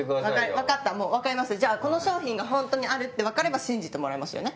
分かりましたじゃあこの商品がホントにあるって分かれば信じてもらえますよね？